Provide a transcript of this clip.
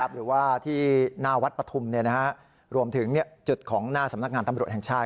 หรือว่าที่หน้าวัดปฐุมรวมถึงจุดของหน้าสำนักงานตำรวจแห่งชาติ